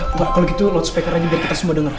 kalau gitu load speaker aja biar kita semua denger